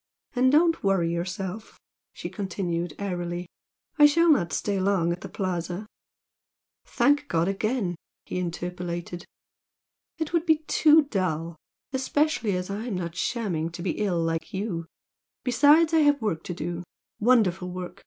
"And don't worry yourself" she continued, airily "I shall not stay long at the Plaza." "Thank God again!" he interpolated. "It would be too dull, especially as I'm not shamming to be ill, like you. Besides, I have work to do! wonderful work!